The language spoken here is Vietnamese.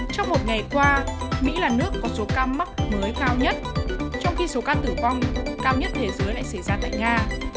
trong một ngày qua mỹ là nước có số ca mắc mới cao nhất trong khi số ca tử vong cao nhất thế giới lại xảy ra tại nga